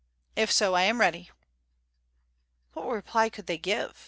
If so, I am ready." What reply could they give?